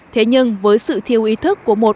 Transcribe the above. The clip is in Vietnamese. thế nhưng với sự thiêu ý thức của một